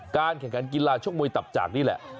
แข่งขันกีฬาชกมวยตับจากนี่แหละ